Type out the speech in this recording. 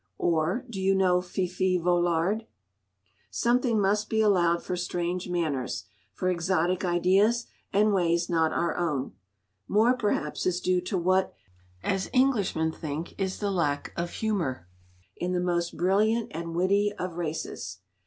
Or do you know Fifi Vollard? Something must be allowed for strange manners, for exotic ideas, and ways not our own. More perhaps is due to what, as Englishmen think, is the lack of humour in the most brilliant and witty of races.